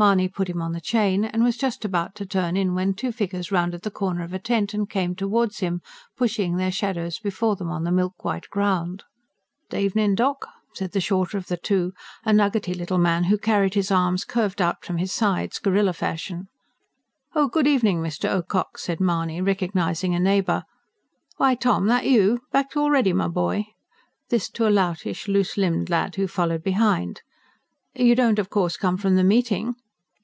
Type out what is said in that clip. Mahony put him on the chain, and was just about to turn in when two figures rounded the corner of a tent and came towards him, pushing their shadows before them on the milk white ground. "'D evenin', doc," said the shorter of the two, a nuggetty little man who carried his arms curved out from his sides, gorilla fashion. "Oh, good evening, Mr. Ocock," said Mahony, recognising a neighbour. "Why, Tom, that you? Back already, my boy?" this to a loutish, loose limbed lad who followed behind. "You don't of course come from the meeting?"